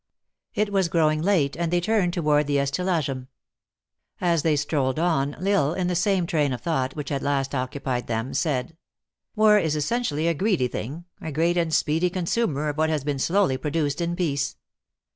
It was growing late$ and they turned toward the estalagem. As they strolled on, L Isle, in the same train of thought which had last occupied them, said :" War is essentially a greedy thing, a great and 182 THE ACTRESS IN HIGH LIFE. speedy consumer of what has been slowly produced in peace.